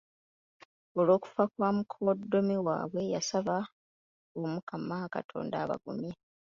Olwokufa kwa mukoddomi waabwe, yasaba Omukama Katonda abagumye.